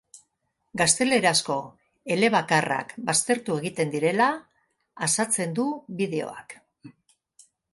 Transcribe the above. Gaztelerazko elebakarrak baztertu egiten direla azatzen du bideoak.